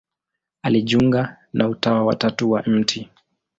Alijiunga na Utawa wa Tatu wa Mt.